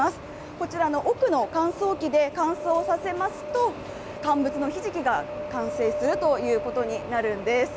こちらの奥の乾燥機で乾燥させますと、乾物のひじきが完成するということになるんです。